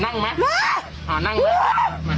นั่งไหมถ้าอยากนั่งไหม